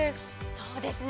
そうですね。